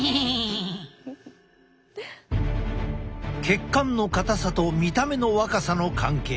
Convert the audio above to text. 血管の硬さと見た目の若さの関係。